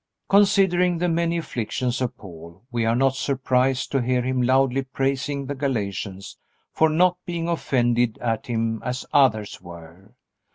Considering the many afflictions of Paul, we are not surprised to hear him loudly praising the Galatians for not being offended at him as others were.